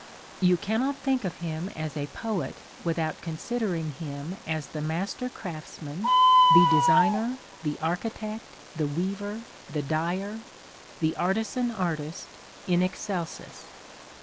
You cannot think of him as a poet without considering him as the master craftsman, the designer, — the architect, — the weaver, — the dyer, — the artisan artist in excelsis.